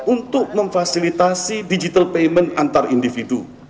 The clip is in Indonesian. untuk memfasilitasi digital payment antar individu